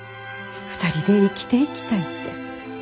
２人で生きていきたいって。